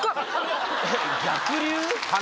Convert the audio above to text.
逆流？